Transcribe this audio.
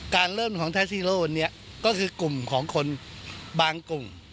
การเริ่มของวันนี้ก็คือกลุ่มของคนบางกลุ่ม